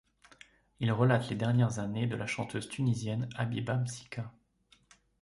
Il relate les dernières années de la chanteuse tunisienne Habiba Msika.